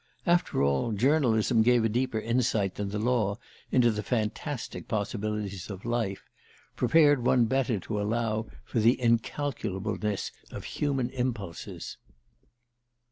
After all, journalism gave a deeper insight than the law into the fantastic possibilities of life, prepared one better to allow for the incalculableness of human impulses.